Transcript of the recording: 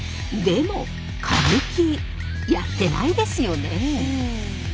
でも歌舞伎やってないですよね。